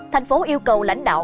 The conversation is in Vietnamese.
thành phố yêu cầu lãnh đạo